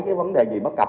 cái vấn đề gì bất cập